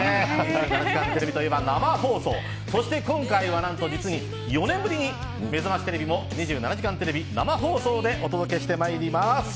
フジテレビといえば生放送そして今回は何と実に４年ぶりに、めざましテレビも２７時間テレビ生放送でお届けしてまいります。